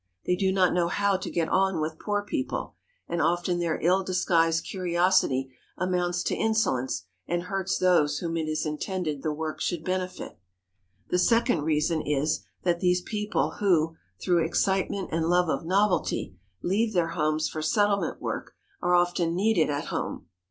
They do not know how to get on with poor people, and often their ill disguised curiosity amounts to insolence and hurts those whom it is intended the work should benefit. The second reason is that these people who, through excitement and love of novelty, leave their homes for settlement work are often needed at home.